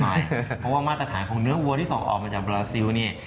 ไม่ไม่ไม่ไม่ผมว่ามาตรฐานของเนื้อวัวส่งออกมาจากบราซิลเนี่ย